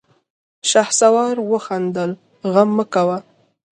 شهسوار وخندل: غم مه کوه!